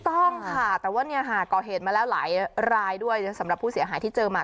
ต้องค่ะแต่ว่าเนี่ยค่ะก่อเหตุมาแล้วหลายรายด้วยสำหรับผู้เสียหายที่เจอมา